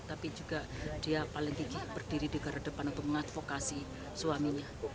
tapi juga dia paling gigi berdiri di negara depan untuk mengadvokasi suaminya